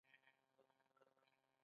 د مړي ښخول د اسلامي شریعت مهم رکن دی.